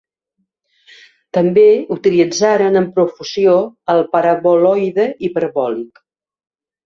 També utilitzaren amb profusió el paraboloide hiperbòlic.